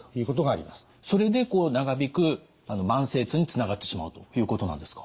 それでこう長引く慢性痛につながってしまうということなんですか。